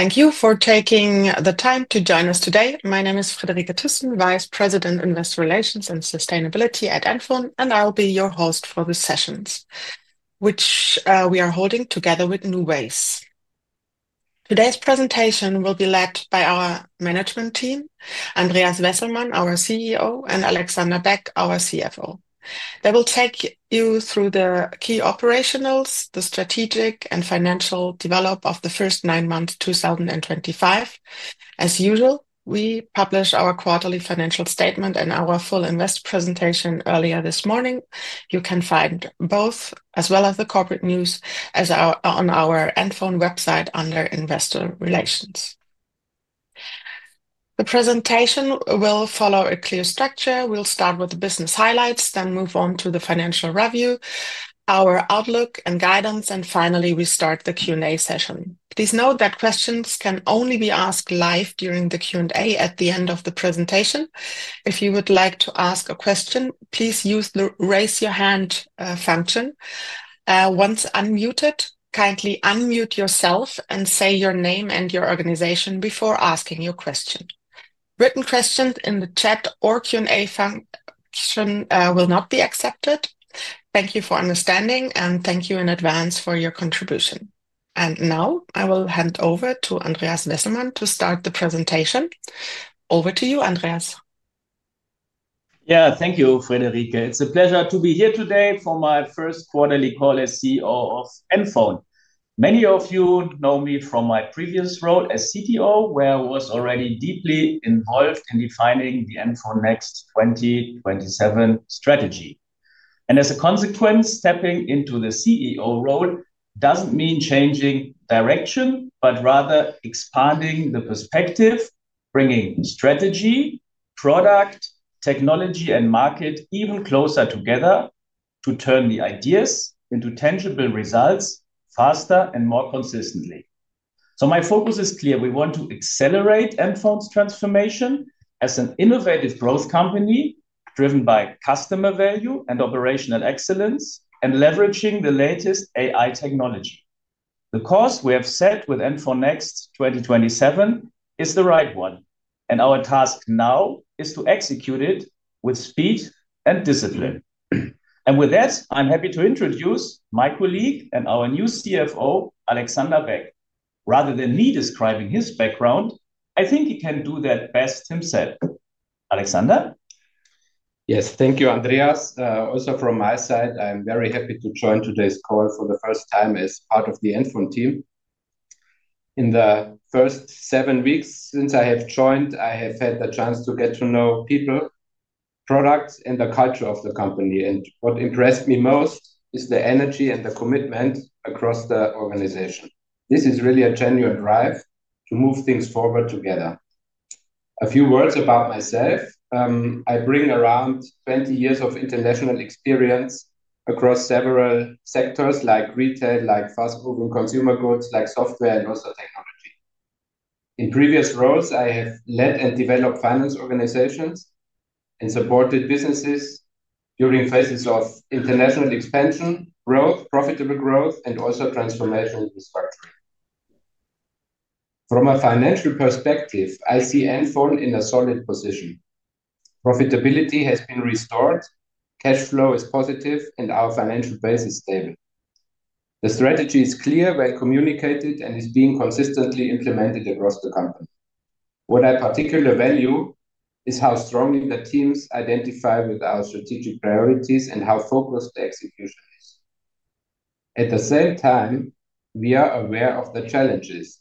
Thank you for taking the time to join us today. My name is Friederike Thyssen, Vice President, Investor Relations and Sustainability at NFON, and I'll be your host for the sessions which we are holding together with New Waves. Today's presentation will be led by our management team, Andreas Wesselmann, our CEO, and Alexander Beck, our CFO. They will take you through the key operationals, the strategic and financial development of the first nine months of 2025. As usual, we publish our quarterly financial statement and our full invest presentation earlier this morning. You can find both, as well as the corporate news, on our NFON website under Investor Relations. The presentation will follow a clear structure. We'll start with the business highlights, then move on to the financial review, our outlook and guidance, and finally, we start the Q&A session. Please note that questions can only be asked live during the Q&A at the end of the presentation. If you would like to ask a question, please use the raise your hand function. Once unmuted, kindly unmute yourself and say your name and your organization before asking your question. Written questions in the chat or Q&A function will not be accepted. Thank you for understanding, and thank you in advance for your contribution. I will hand over to Andreas Wesselmann to start the presentation. Over to you, Andreas. Yeah, thank you, Friederike. It's a pleasure to be here today for my first quarterly call as CEO of NFON. Many of you know me from my previous role as CTO, where I was already deeply involved in defining the NFON Next 2027 strategy. As a consequence, stepping into the CEO role doesn't mean changing direction, but rather expanding the perspective, bringing strategy, product, technology, and market even closer together to turn the ideas into tangible results faster and more consistently. My focus is clear. We want to accelerate NFON's transformation as an innovative growth company driven by customer value and operational excellence and leveraging the latest AI technology. The course we have set with NFON Next 2027 is the right one, and our task now is to execute it with speed and discipline. With that, I'm happy to introduce my colleague and our new CFO, Alexander Beck. Rather than me describing his background, I think he can do that best himself. Alexander? Yes, thank you, Andreas. Also from my side, I'm very happy to join today's call for the first time as part of the NFON team. In the first seven weeks since I have joined, I have had the chance to get to know people, products, and the culture of the company. What impressed me most is the energy and the commitment across the organization. This is really a genuine drive to move things forward together. A few words about myself. I bring around 20 years of international experience across several sectors like retail, like fast-moving consumer goods, like software, and also technology. In previous roles, I have led and developed finance organizations and supported businesses during phases of international expansion, growth, profitable growth, and also transformational infrastructure. From a financial perspective, I see NFON in a solid position. Profitability has been restored, cash flow is positive, and our financial base is stable. The strategy is clear, well communicated, and is being consistently implemented across the company. What I particularly value is how strongly the teams identify with our strategic priorities and how focused the execution is. At the same time, we are aware of the challenges.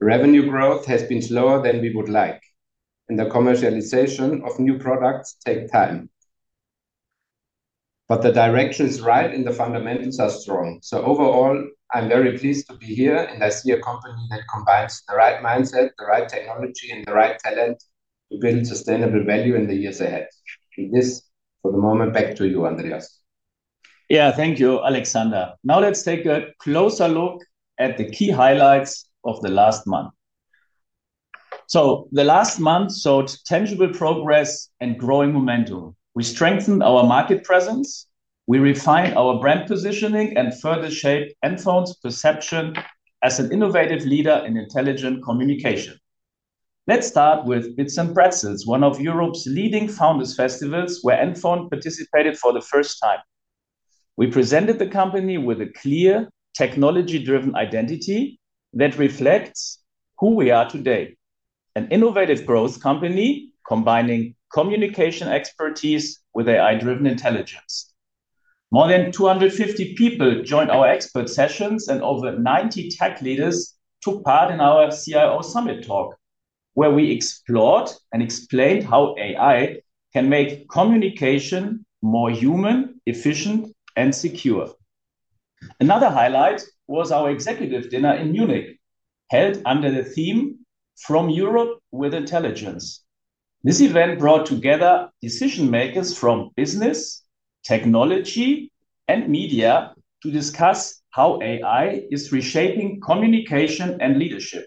Revenue growth has been slower than we would like, and the commercialization of new products takes time. The direction is right, and the fundamentals are strong. Overall, I'm very pleased to be here, and I see a company that combines the right mindset, the right technology, and the right talent to build sustainable value in the years ahead. With this, for the moment, back to you, Andreas. Yeah, thank you, Alexander. Now let's take a closer look at the key highlights of the last month. The last month showed tangible progress and growing momentum. We strengthened our market presence. We refined our brand positioning and further shaped NFON's perception as an innovative leader in intelligent communication. Let's start with Bits & Pretzels, one of Europe's leading founders' festivals where NFON participated for the first time. We presented the company with a clear technology-driven identity that reflects who we are today: an innovative growth company combining communication expertise with AI-driven intelligence. More than 250 people joined our expert sessions, and over 90 tech leaders took part in our CIO Summit talk, where we explored and explained how AI can make communication more human, efficient, and secure. Another highlight was our executive dinner in Munich, held under the theme "From Europe with Intelligence." This event brought together decision-makers from business, technology, and media to discuss how AI is reshaping communication and leadership.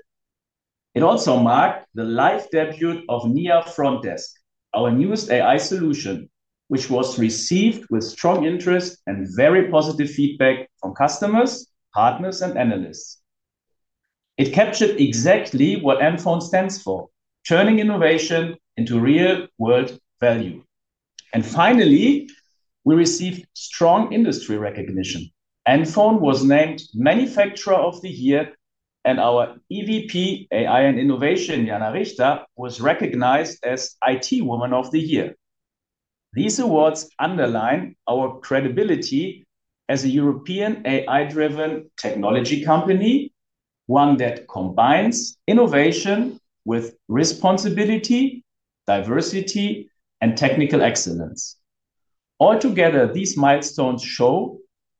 It also marked the live debut of NIA Front Desk, our newest AI solution, which was received with strong interest and very positive feedback from customers, partners, and analysts. It captured exactly what NFON stands for: turning innovation into real-world value. Finally, we received strong industry recognition. NFON was named Manufacturer of the Year, and our EVP AI and Innovation, Jana Richter, was recognized as IT Woman of the Year. These awards underline our credibility as a European AI-driven technology company, one that combines innovation with responsibility, diversity, and technical excellence. Altogether, these milestones show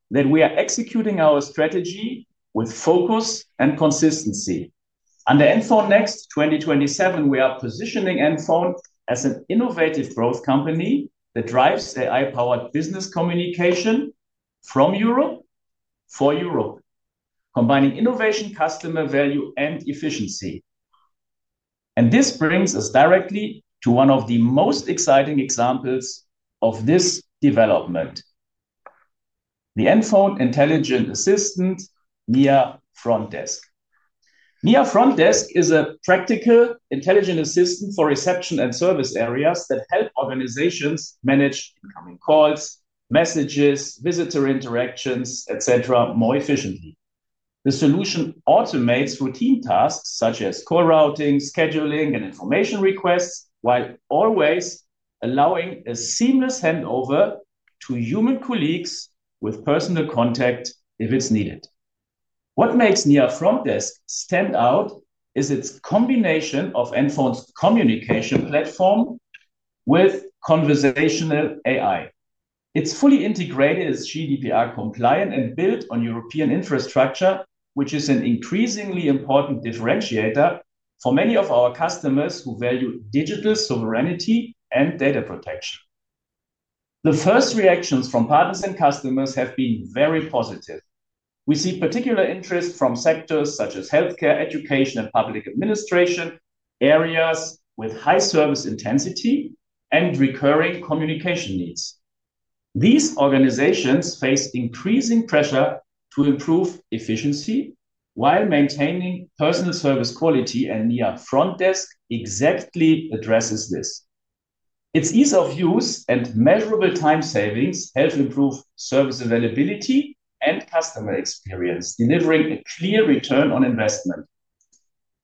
that we are executing our strategy with focus and consistency. Under NFON Next 2027, we are positioning NFON as an innovative growth company that drives AI-powered business communication from Europe for Europe, combining innovation, customer value, and efficiency. This brings us directly to one of the most exciting examples of this development: the NFON Intelligent Assistant NIA Front Desk. NIA Front Desk is a practical intelligent assistant for reception and service areas that help organizations manage incoming calls, messages, visitor interactions, et cetera, more efficiently. The solution automates routine tasks such as call routing, scheduling, and information requests, while always allowing a seamless handover to human colleagues with personal contact if it's needed. What makes NIA Front Desk stand out is its combination of NFON's communication platform with conversational AI. It's fully integrated, is GDPR compliant, and built on European infrastructure, which is an increasingly important differentiator for many of our customers who value digital sovereignty and data protection. The first reactions from partners and customers have been very positive. We see particular interest from sectors such as healthcare, education, and public administration areas with high service intensity and recurring communication needs. These organizations face increasing pressure to improve efficiency while maintaining personal service quality, and NIA Front Desk exactly addresses this. Its ease of use and measurable time savings help improve service availability and customer experience, delivering a clear return on investment.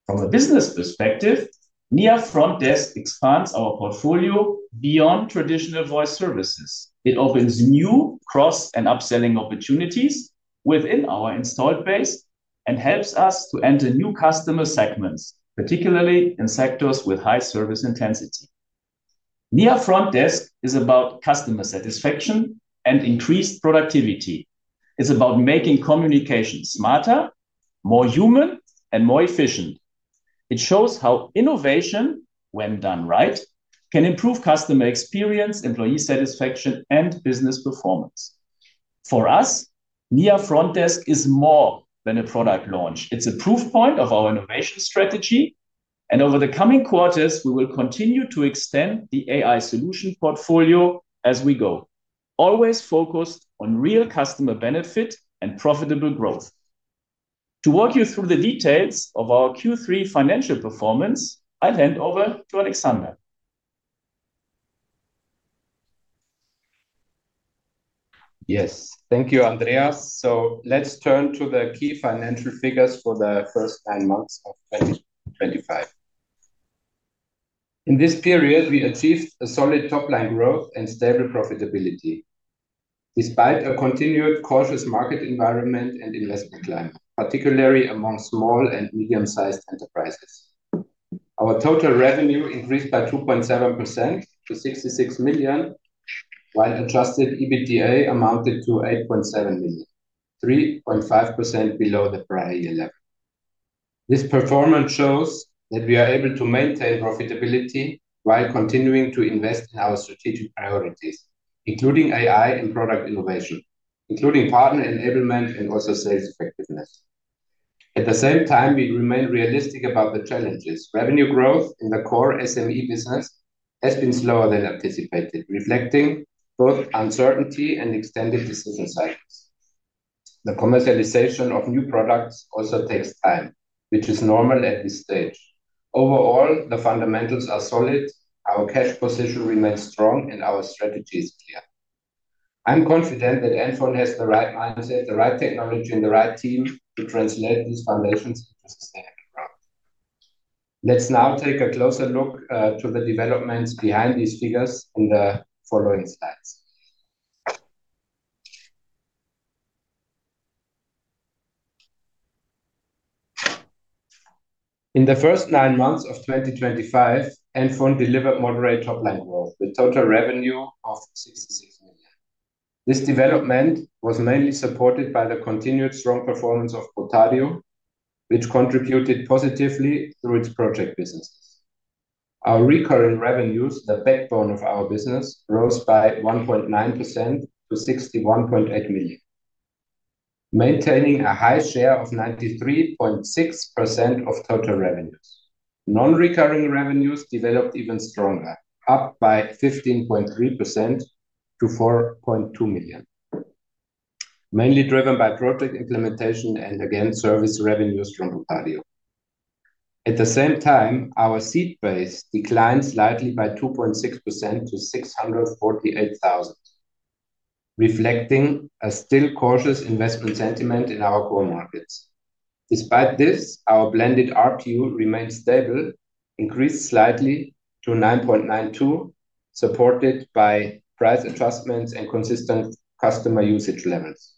From a business perspective, NIA Front Desk expands our portfolio beyond traditional voice services. It opens new cross and upselling opportunities within our installed base and helps us to enter new customer segments, particularly in sectors with high service intensity. NIA Front Desk is about customer satisfaction and increased productivity. It's about making communication smarter, more human, and more efficient. It shows how innovation, when done right, can improve customer experience, employee satisfaction, and business performance. For us, NIA Front Desk is more than a product launch. It is a proof point of our innovation strategy. Over the coming quarters, we will continue to extend the AI solution portfolio as we go, always focused on real customer benefit and profitable growth. To walk you through the details of our Q3 financial performance, I will hand over to Alexander. Yes, thank you, Andreas. Let us turn to the key financial figures for the first nine months of 2025. In this period, we achieved solid top-line growth and stable profitability despite a continued cautious market environment and investment climate, particularly among small and medium-sized enterprises. Our total revenue increased by 2.7% to 66 million, while Adjusted EBITDA amounted to 8.7 million, 3.5% below the prior year level. This performance shows that we are able to maintain profitability while continuing to invest in our strategic priorities, including AI and product innovation, including partner enablement and also sales effectiveness. At the same time, we remain realistic about the challenges. Revenue growth in the core SME business has been slower than anticipated, reflecting both uncertainty and extended decision cycles. The commercialization of new products also takes time, which is normal at this stage. Overall, the fundamentals are solid. Our cash position remains strong, and our strategy is clear. I'm confident that NFON has the right mindset, the right technology, and the right team to translate these foundations into sustainable growth. Let's now take a closer look to the developments behind these figures in the following slides. In the first nine months of 2025, NFON delivered moderate top-line growth with total revenue of 66 million. This development was mainly supported by the continued strong performance of Potatio, which contributed positively through its project businesses. Our recurring revenues, the backbone of our business, rose by 1.9% to 61.8 million, maintaining a high share of 93.6% of total revenues. Non-recurring revenues developed even stronger, up by 15.3% to 4.2 million, mainly driven by project implementation and, again, service revenues from Potatio. At the same time, our seat base declined slightly by 2.6% to 648,000, reflecting a still cautious investment sentiment in our core markets. Despite this, our blended RPU remained stable, increased slightly to 9.92, supported by price adjustments and consistent customer usage levels.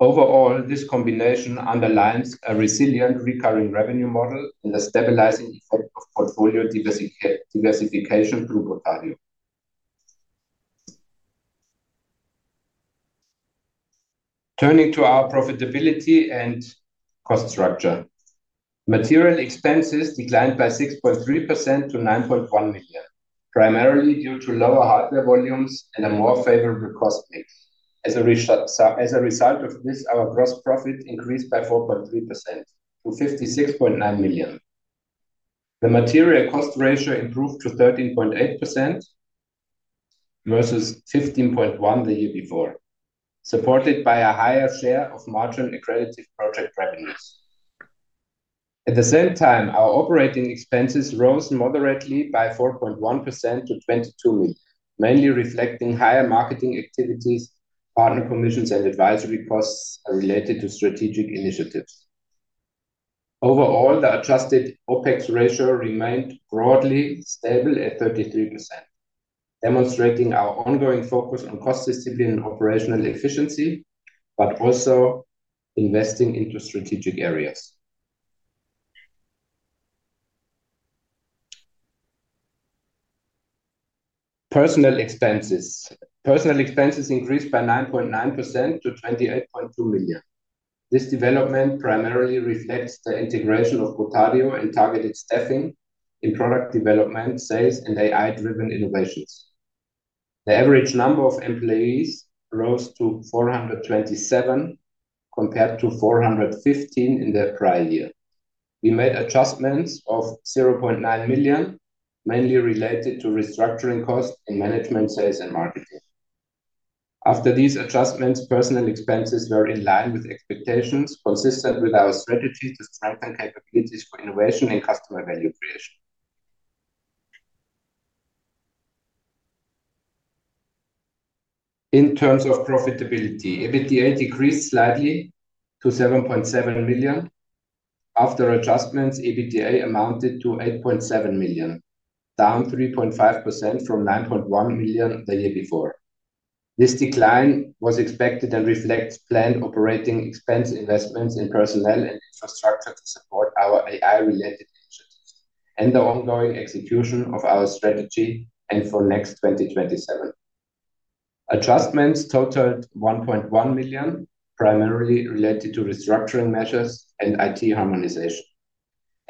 Overall, this combination underlines a resilient recurring revenue model and the stabilizing effect of portfolio diversification through Potatio. Turning to our profitability and cost structure, material expenses declined by 6.3% to 9.1 million, primarily due to lower hardware volumes and a more favorable cost mix. As a result of this, our gross profit increased by 4.3% to 56.9 million. The material cost ratio improved to 13.8% versus 15.1% the year before, supported by a higher share of margin-accredited project revenues. At the same time, our operating expenses rose moderately by 4.1% to 22 million, mainly reflecting higher marketing activities, partner commissions, and advisory costs related to strategic initiatives. Overall, the adjusted OPEX ratio remained broadly stable at 33%, demonstrating our ongoing focus on cost discipline and operational efficiency, but also investing into strategic areas. Personnel expenses increased by 9.9% to 28.2 million. This development primarily reflects the integration of Potatio and targeted staffing in product development, sales, and AI-driven innovations. The average number of employees rose to 427 compared to 415 in the prior year. We made adjustments of 0.9 million, mainly related to restructuring costs in management, sales, and marketing. After these adjustments, personnel expenses were in line with expectations, consistent with our strategy to strengthen capabilities for innovation and customer value creation. In terms of profitability, EBITDA decreased slightly to 7.7 million. After adjustments, EBITDA amounted to 8.7 million, down 3.5% from 9.1 million the year before. This decline was expected and reflects planned operating expense investments in personnel and infrastructure to support our AI-related initiatives and the ongoing execution of our strategy for Next 2027. Adjustments totaled 1.1 million, primarily related to restructuring measures and IT harmonization.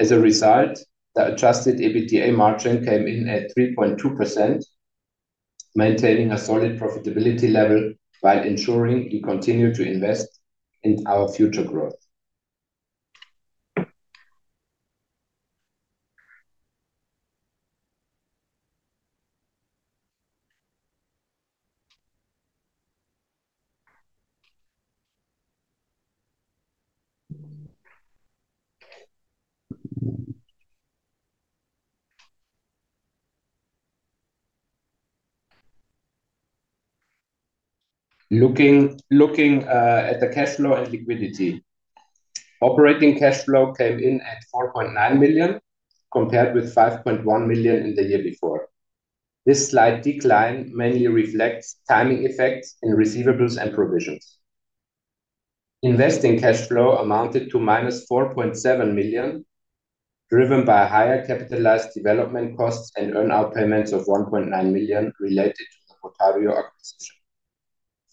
As a result, the Adjusted EBITDA margin came in at 3.2%, maintaining a solid profitability level while ensuring we continue to invest in our future growth. Looking at the cash flow and liquidity, operating cash flow came in at 4.9 million compared with 5.1 million in the year before. This slight decline mainly reflects timing effects in receivables and provisions. Investing cash flow amounted to minus 4.7 million, driven by higher capitalized development costs and earn-out payments of 1.9 million related to the Potatio acquisition.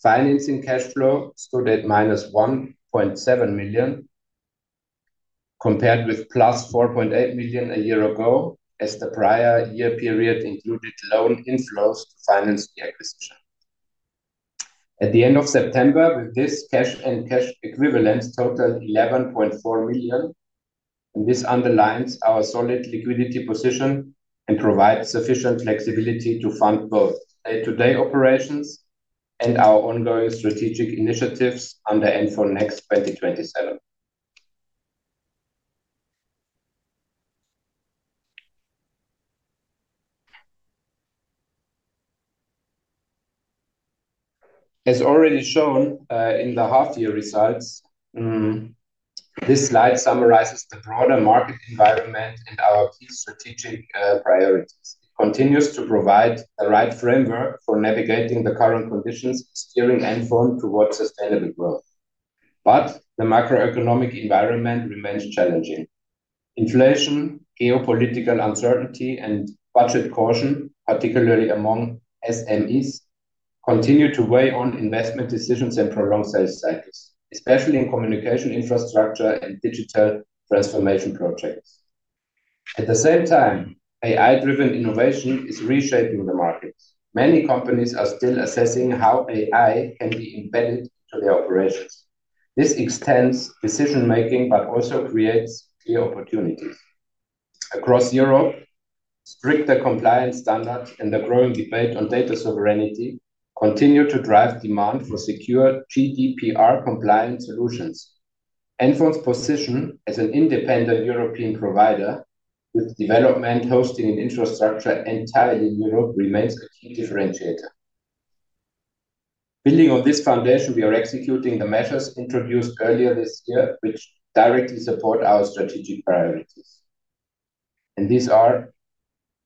Financing cash flow stood at -1.7 million compared with +4.8 million a year ago, as the prior year period included loan inflows to finance the acquisition. At the end of September, with this, cash and cash equivalents totaled 11.4 million. This underlines our solid liquidity position and provides sufficient flexibility to fund both day-to-day operations and our ongoing strategic initiatives under NFON Next 2027. As already shown in the half-year results, this slide summarizes the broader market environment and our key strategic priorities. It continues to provide the right framework for navigating the current conditions, steering NFON towards sustainable growth. The macroeconomic environment remains challenging. Inflation, geopolitical uncertainty, and budget caution, particularly among SMEs, continue to weigh on investment decisions and prolonged sales cycles, especially in communication infrastructure and digital transformation projects. At the same time, AI-driven innovation is reshaping the markets. Many companies are still assessing how AI can be embedded into their operations. This extends decision-making, but also creates clear opportunities. Across Europe, stricter compliance standards and the growing debate on data sovereignty continue to drive demand for secure GDPR-compliant solutions. NFON's position as an independent European provider, with development, hosting, and infrastructure entirely in Europe, remains a key differentiator. Building on this foundation, we are executing the measures introduced earlier this year, which directly support our strategic priorities. These are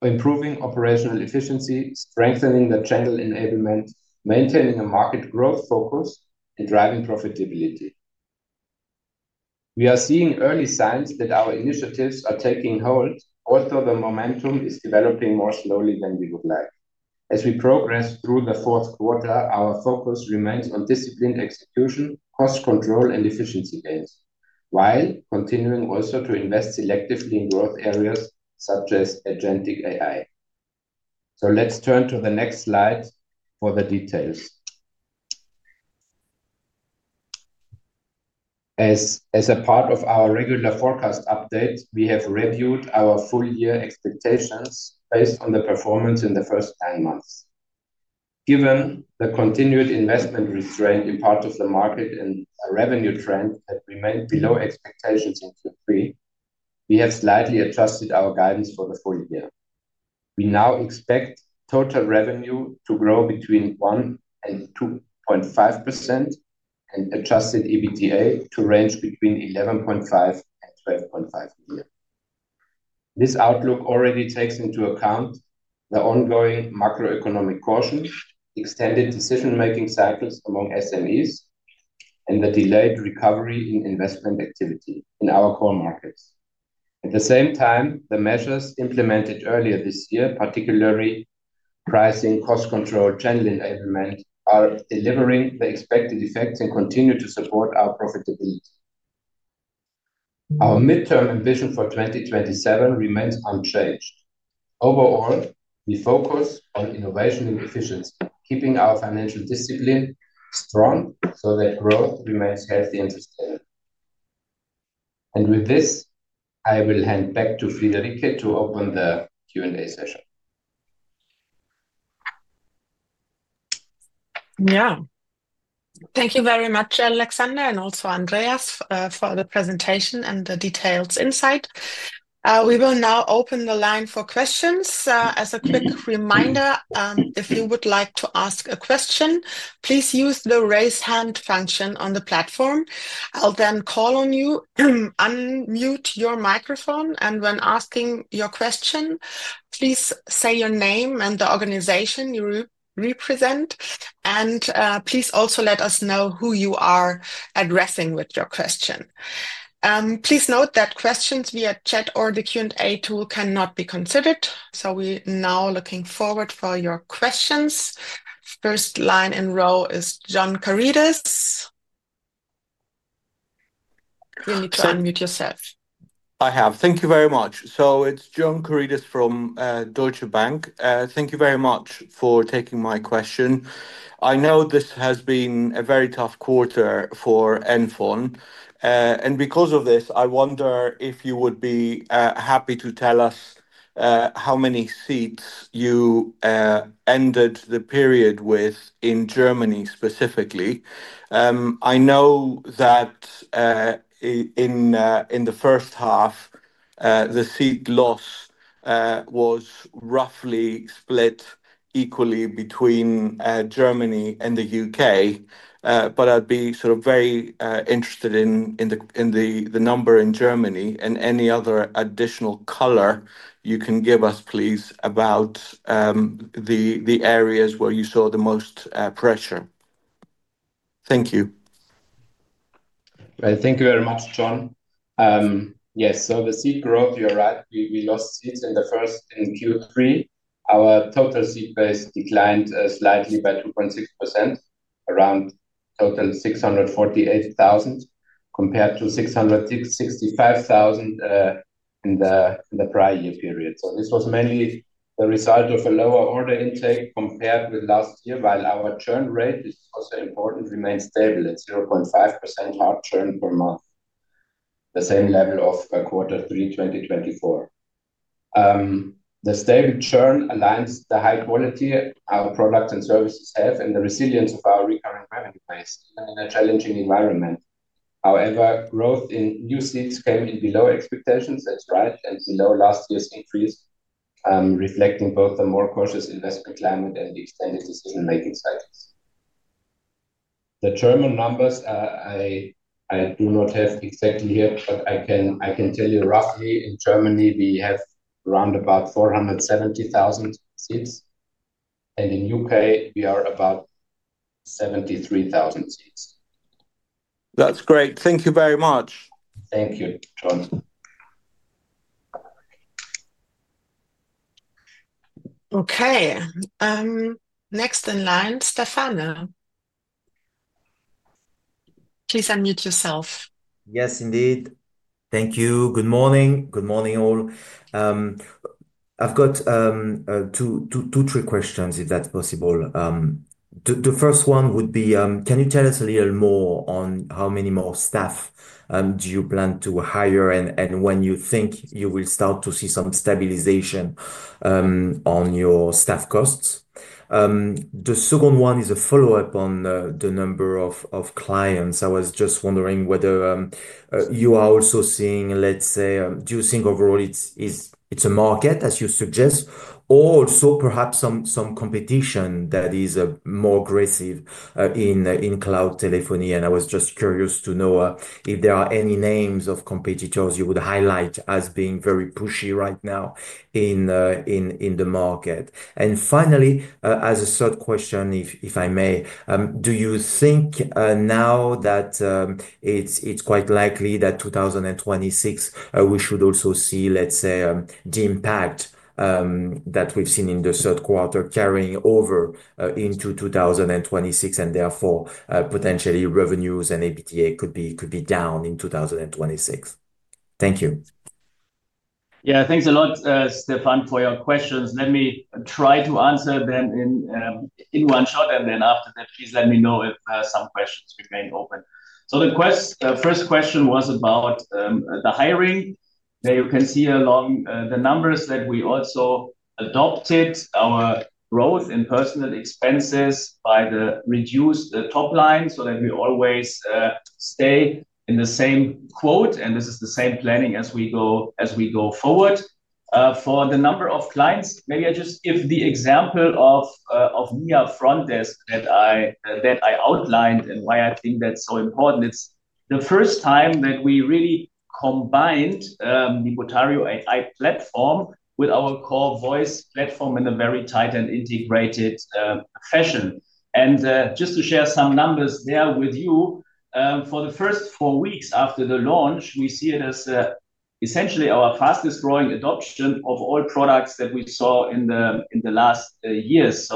improving operational efficiency, strengthening the channel enablement, maintaining a market growth focus, and driving profitability. We are seeing early signs that our initiatives are taking hold, although the momentum is developing more slowly than we would like. As we progress through the fourth quarter, our focus remains on disciplined execution, cost control, and efficiency gains, while continuing also to invest selectively in growth areas such as agentic AI. Let's turn to the next slide for the details. As a part of our regular forecast update, we have reviewed our full-year expectations based on the performance in the first nine months. Given the continued investment restraint in part of the market and a revenue trend that remained below expectations in Q3, we have slightly adjusted our guidance for the full year. We now expect total revenue to grow between 1-2.5% and Adjusted EBITDA to range between 11.5-12.5% a year. This outlook already takes into account the ongoing macroeconomic caution, extended decision-making cycles among SMEs, and the delayed recovery in investment activity in our core markets. At the same time, the measures implemented earlier this year, particularly pricing, cost control, channel enablement, are delivering the expected effects and continue to support our profitability. Our midterm ambition for 2027 remains unchanged. Overall, we focus on innovation and efficiency, keeping our financial discipline strong so that growth remains healthy and sustainable. With this, I will hand back to Friederike to open the Q&A session. Yeah. Thank you very much, Alexander, and also Andreas for the presentation and the detailed insight. We will now open the line for questions. As a quick reminder, if you would like to ask a question, please use the raise hand function on the platform. I'll then call on you, unmute your microphone, and when asking your question, please say your name and the organization you represent, and please also let us know who you are addressing with your question. Please note that questions via chat or the Q&A tool cannot be considered. We are now looking forward to your questions. First line in row is John Carides. You need to unmute yourself. I have. Thank you very much. It is John Carides from Deutsche Bank. Thank you very much for taking my question. I know this has been a very tough quarter for NFON. Because of this, I wonder if you would be happy to tell us how many seats you ended the period with in Germany specifically. I know that in the first half, the seat loss was roughly split equally between Germany and the U.K. I would be very interested in the number in Germany and any other additional color you can give us, please, about the areas where you saw the most pressure. Thank you. Thank you very much, John. Yes, the seat growth, you're right. We lost seats in the first in Q3. Our total seat base declined slightly by 2.6%, around total 648,000, compared to 665,000 in the prior year period. This was mainly the result of a lower order intake compared with last year, while our churn rate, which is also important, remained stable at 0.5% hard churn per month, the same level of quarter three 2024. The stable churn aligns with the high quality our products and services have and the resilience of our recurring revenue base in a challenging environment. However, growth in new seats came in below expectations, that's right, and below last year's increase, reflecting both a more cautious investment climate and the extended decision-making cycles. The German numbers, I do not have exactly here, but I can tell you roughly in Germany, we have around about 470,000 seats. In the U.K., we are about 73,000 seats. That's great. Thank you very much. Thank you, John. Okay. Next in line, Stefano. Please unmute yourself. Yes, indeed. Thank you. Good morning. Good morning, all. I've got two or three questions, if that's possible. The first one would be, can you tell us a little more on how many more staff do you plan to hire and when you think you will start to see some stabilization on your staff costs? The second one is a follow-up on the number of clients. I was just wondering whether you are also seeing, let's say, do you think overall it's a market, as you suggest, or also perhaps some competition that is more aggressive in cloud telephony? I was just curious to know if there are any names of competitors you would highlight as being very pushy right now in the market. Finally, as a third question, if I may, do you think now that it's quite likely that 2026, we should also see, let's say, the impact that we've seen in the third quarter carrying over into 2026, and therefore potentially revenues and EBITDA could be down in 2026? Thank you. Yeah, thanks a lot, Stefano, for your questions. Let me try to answer them in one shot, and then after that, please let me know if some questions remain open. The first question was about the hiring. There you can see along the numbers that we also adopted our growth in personnel expenses by the reduced top line so that we always stay in the same quote, and this is the same planning as we go forward. For the number of clients, maybe I just give the example of NIA Front Desk that I outlined and why I think that's so important. It's the first time that we really combined the Potatio AI platform with our core voice platform in a very tight and integrated fashion. Just to share some numbers there with you, for the first four weeks after the launch, we see it as essentially our fastest growing adoption of all products that we saw in the last years.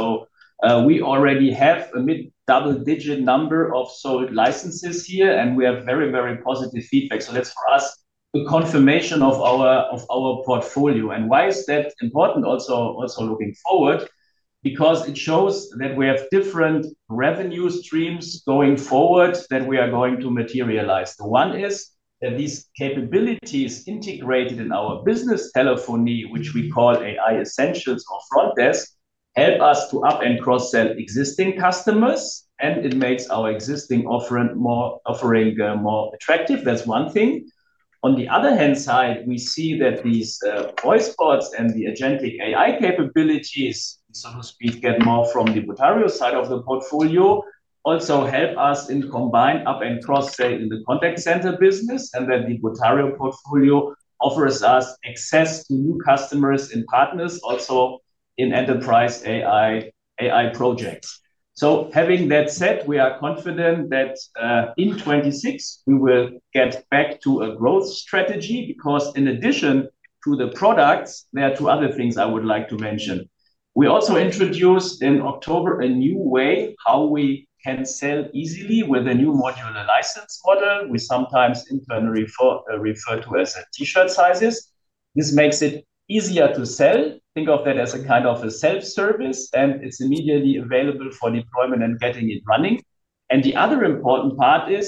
We already have a mid-double-digit number of sold licenses here, and we have very, very positive feedback. That's for us a confirmation of our portfolio. Why is that important also looking forward? Because it shows that we have different revenue streams going forward that we are going to materialize. The one is that these capabilities integrated in our business telephony, which we call AI Essentials or Front Desk, help us to up and cross-sell existing customers, and it makes our existing offering more attractive. That's one thing. On the other hand side, we see that these voice bots and the agentic AI capabilities, so to speak, get more from the Potatio side of the portfolio, also help us in combined up and cross-sell in the contact center business, and that the Potatio portfolio offers us access to new customers and partners also in enterprise AI projects. Having that said, we are confident that in 2026, we will get back to a growth strategy because in addition to the products, there are two other things I would like to mention. We also introduced in October a new way how we can sell easily with a new modular license model, which sometimes internally referred to as t-shirt sizes. This makes it easier to sell. Think of that as a kind of a self-service, and it's immediately available for deployment and getting it running. The other important part is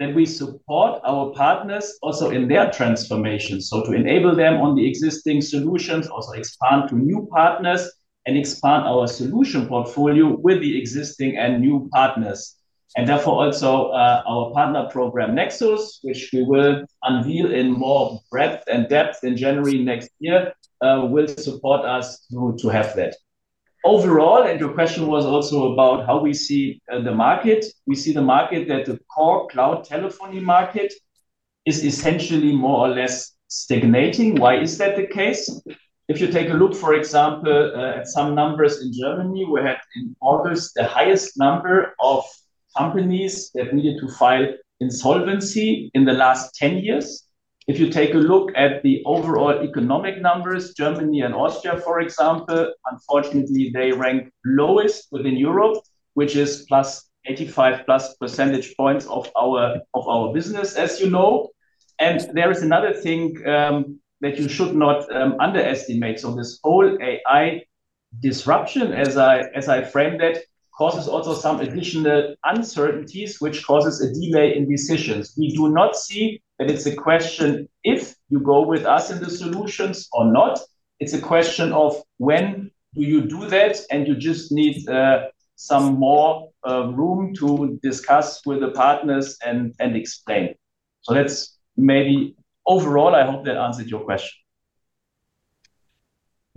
that we support our partners also in their transformation. To enable them on the existing solutions, also expand to new partners and expand our solution portfolio with the existing and new partners. Therefore also our partner program, Nexus, which we will unveil in more breadth and depth in January next year, will support us to have that. Overall, and your question was also about how we see the market, we see the market that the core cloud telephony market is essentially more or less stagnating. Why is that the case? If you take a look, for example, at some numbers in Germany, we had in August the highest number of companies that needed to file insolvency in the last 10 years. If you take a look at the overall economic numbers, Germany and Austria, for example, unfortunately, they rank lowest within Europe, which is plus 85 plus percentage points of our business, as you know. There is another thing that you should not underestimate. This whole AI disruption, as I framed it, causes also some additional uncertainties, which causes a delay in decisions. We do not see that it's a question if you go with us in the solutions or not. It's a question of when do you do that, and you just need some more room to discuss with the partners and explain. That is maybe overall, I hope that answered your question.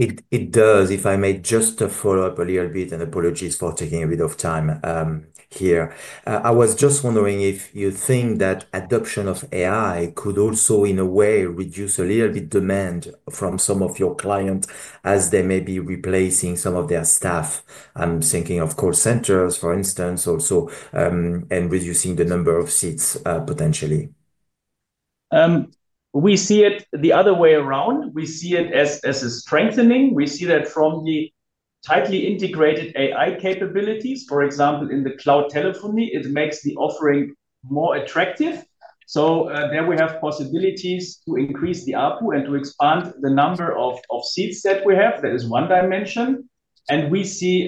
It does, if I may just follow up a little bit, and apologies for taking a bit of time here. I was just wondering if you think that adoption of AI could also, in a way, reduce a little bit demand from some of your clients as they may be replacing some of their staff. I'm thinking of call centers, for instance, also and reducing the number of seats potentially. We see it the other way around. We see it as a strengthening. We see that from the tightly integrated AI capabilities, for example, in the cloud telephony, it makes the offering more attractive. There we have possibilities to increase the output and to expand the number of seats that we have. That is one dimension. We see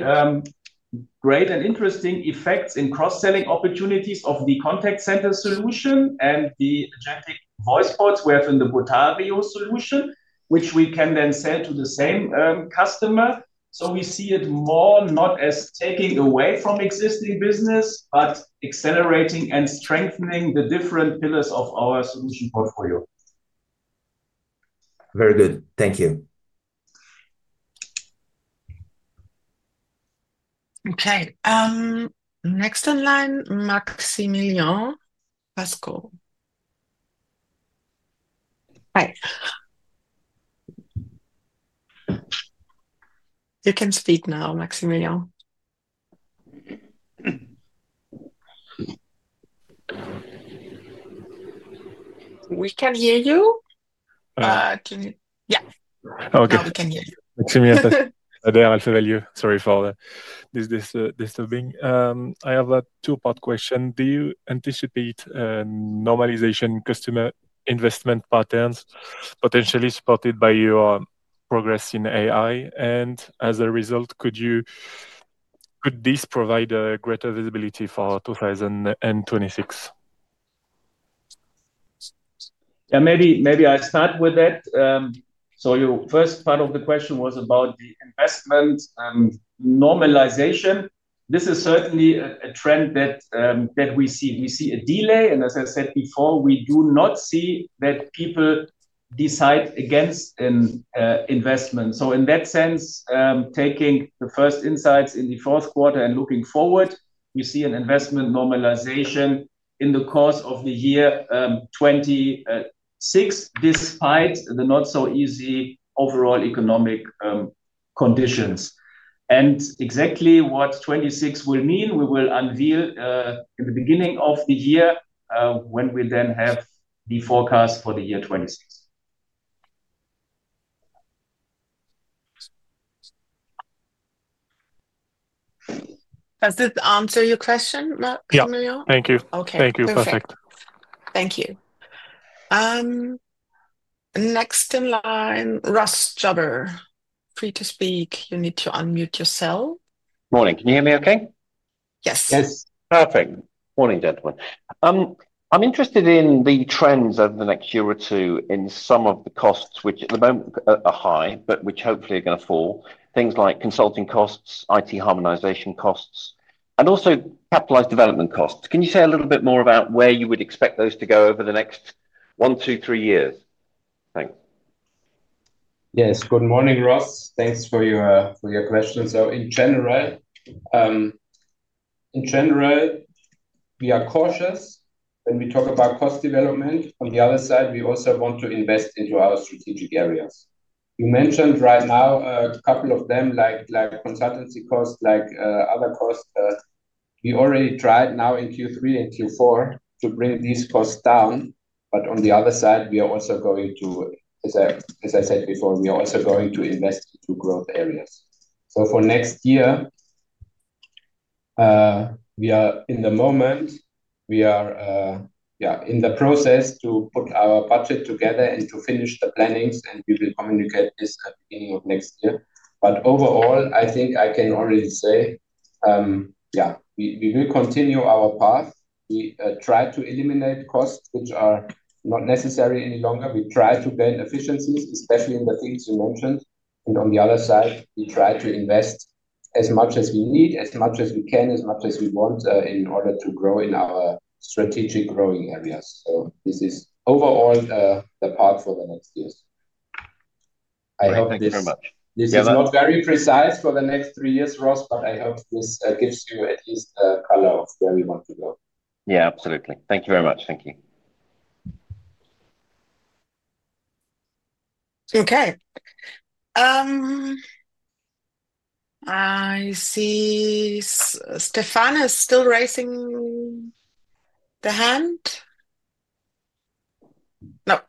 great and interesting effects in cross-selling opportunities of the contact center solution and the agentic voice bots we have in the Potatio solution, which we can then sell to the same customer. We see it more not as taking away from existing business, but accelerating and strengthening the different pillars of our solution portfolio. Very good. Thank you. Okay. Next in line, Maximilian Pascal. Hi. You can speak now, Maximilian. We can hear you. Yeah. Okay. Now we can hear you. Maximilian, thank you. Sorry for this disturbing. I have a two-part question. Do you anticipate normalization customer investment patterns potentially supported by your progress in AI? As a result, could this provide a greater visibility for 2026? Yeah, maybe I start with that. Your first part of the question was about the investment normalization. This is certainly a trend that we see. We see a delay. As I said before, we do not see that people decide against investment. In that sense, taking the first insights in the fourth quarter and looking forward, we see an investment normalization in the course of the year 2026, despite the not-so-easy overall economic conditions. Exactly what 2026 will mean, we will unveil in the beginning of the year when we then have the forecast for the year 2026. Does it answer your question, Maximilian? Yeah. Thank you. Okay. Thank you. Perfect. Thank you. Next in line, Ross Jabber, free to speak. You need to unmute yourself. Good morning. Can you hear me okay? Yes. Yes. Perfect. Morning, gentlemen. I'm interested in the trends over the next year or two in some of the costs, which at the moment are high, but which hopefully are going to fall. Things like consulting costs, IT harmonization costs, and also capitalized development costs. Can you say a little bit more about where you would expect those to go over the next one, two, three years? Thanks. Yes. Good morning, Ross. Thanks for your question. In general, we are cautious when we talk about cost development. On the other side, we also want to invest into our strategic areas. You mentioned right now a couple of them, like consultancy costs, like other costs. We already tried now in Q3 and Q4 to bring these costs down. On the other side, we are also going to, as I said before, we are also going to invest into growth areas. For next year, in the moment, we are in the process to put our budget together and to finish the plannings, and we will communicate this at the beginning of next year. Overall, I think I can already say, yeah, we will continue our path. We try to eliminate costs which are not necessary any longer. We try to gain efficiencies, especially in the things you mentioned. On the other side, we try to invest as much as we need, as much as we can, as much as we want in order to grow in our strategic growing areas. This is overall the path for the next years. I hope this. Thank you very much. This is not very precise for the next three years, Ross, but I hope this gives you at least a color of where we want to go. Yeah, absolutely. Thank you very much. Thank you. Okay. I see Stefano is still raising the hand. No.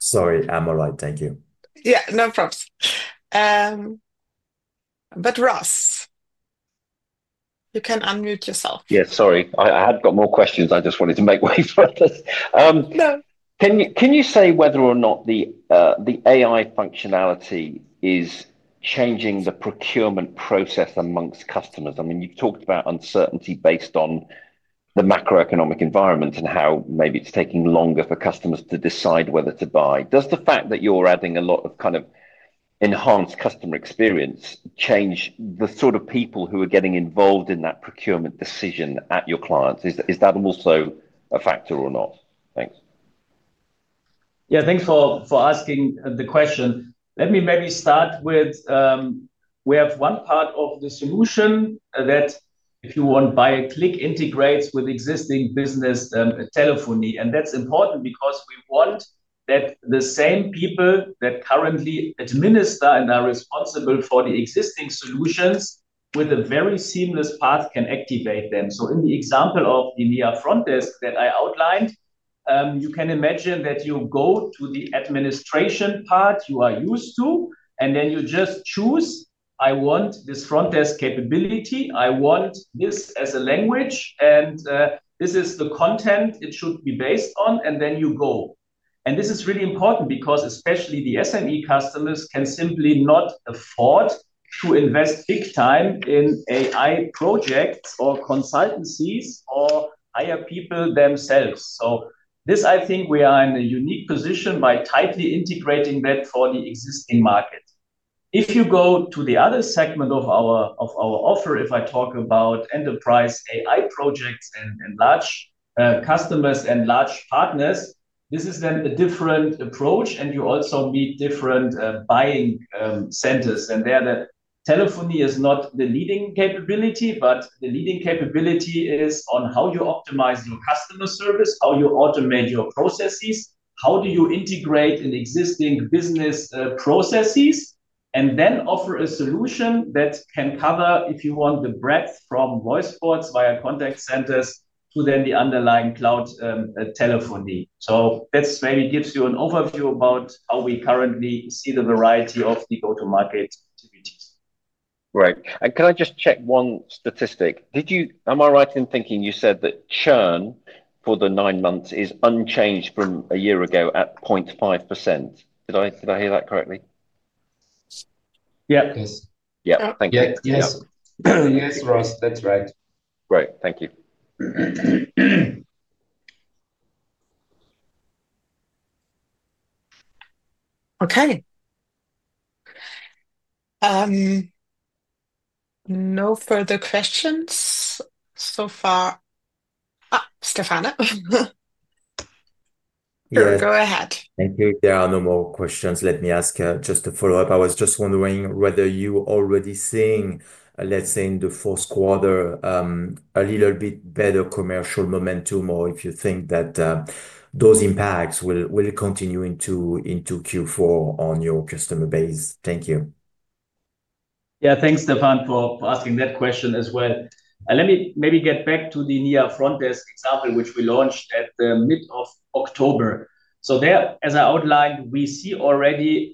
Sorry, I'm all right. Thank you. Yeah, no problem. Ross, you can unmute yourself. Yeah, sorry. I had got more questions. I just wanted to make way for others. No. Can you say whether or not the AI functionality is changing the procurement process amongst customers? I mean, you've talked about uncertainty based on the macroeconomic environment and how maybe it's taking longer for customers to decide whether to buy. Does the fact that you're adding a lot of kind of enhanced customer experience change the sort of people who are getting involved in that procurement decision at your clients? Is that also a factor or not? Thanks. Yeah, thanks for asking the question. Let me maybe start with we have one part of the solution that, if you want, by a click integrates with existing business telephony. That is important because we want that the same people that currently administer and are responsible for the existing solutions with a very seamless path can activate them. In the example of the NIA Front Desk that I outlined, you can imagine that you go to the administration part you are used to, and then you just choose, "I want this front desk capability. I want this as a language. And this is the content it should be based on," and then you go. This is really important because especially the SME customers can simply not afford to invest big time in AI projects or consultancies or hire people themselves. I think we are in a unique position by tightly integrating that for the existing market. If you go to the other segment of our offer, if I talk about enterprise AI projects and large customers and large partners, this is then a different approach, and you also meet different buying centers. There the telephony is not the leading capability, but the leading capability is on how you optimize your customer service, how you automate your processes, how do you integrate in existing business processes, and then offer a solution that can cover, if you want, the breadth from voice bots via contact centers to then the underlying cloud telephony. That maybe gives you an overview about how we currently see the variety of the go-to-market activities. Right. Can I just check one statistic? Am I right in thinking you said that churn for the nine months is unchanged from a year ago at 0.5%? Did I hear that correctly? Yes. Yeah. Thank you. Yes, Ross. That's right. Great. Thank you. Okay. No further questions so far. Stefano. Yeah. You go ahead. Thank you. There are no more questions. Let me ask just to follow up. I was just wondering whether you already seeing, let's say, in the fourth quarter, a little bit better commercial momentum or if you think that those impacts will continue into Q4 on your customer base. Thank you. Yeah. Thanks, Stefano, for asking that question as well. Let me maybe get back to the NIA Front Desk example, which we launched at the mid of October. There, as I outlined, we see already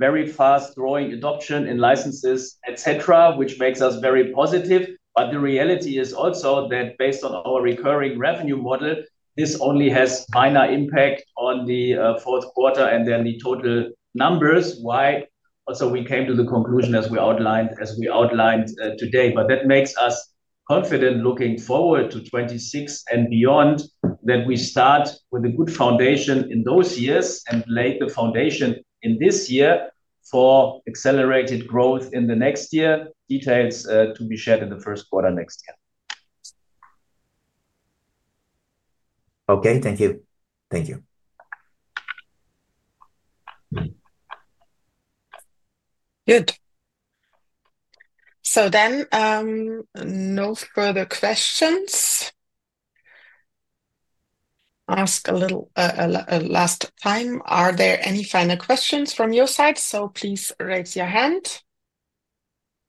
very fast growing adoption in licenses, etc., which makes us very positive. The reality is also that based on our recurring revenue model, this only has minor impact on the fourth quarter and then the total numbers, why also we came to the conclusion as we outlined today. That makes us confident looking forward to 2026 and beyond that we start with a good foundation in those years and lay the foundation in this year for accelerated growth in the next year. Details to be shared in the first quarter next year. Okay. Thank you. Thank you. Good. No further questions. Ask a little last time. Are there any final questions from your side? Please raise your hand.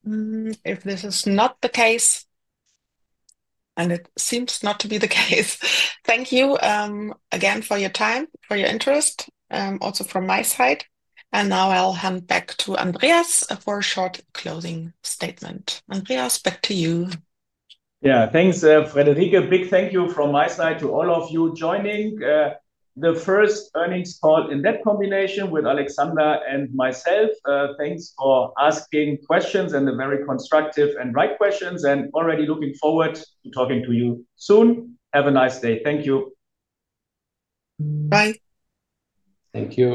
If this is not the case, and it seems not to be the case, thank you again for your time, for your interest, also from my side. Now I'll hand back to Andreas for a short closing statement. Andreas, back to you. Yeah. Thanks, Friederike. A big thank you from my side to all of you joining. The first earnings call in that combination with Alexandra and myself. Thanks for asking questions and the very constructive and right questions. Already looking forward to talking to you soon. Have a nice day. Thank you. Bye. Thank you.